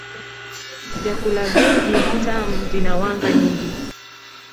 vyakula vingi vitamu vina wanga nyingi